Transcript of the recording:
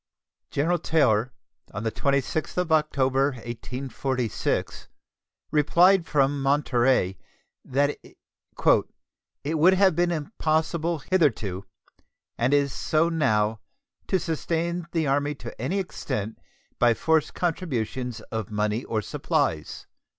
General Taylor, on the 26th of October, 1846, replied from Monterey that "it would have been impossible hitherto, and is so now, to sustain the Army to any extent by forced contributions of money or supplies."